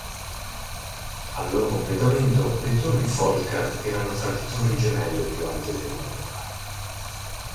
Al loro completamento le Torri Folkart erano tra le torri gemelle più alte d'Europa.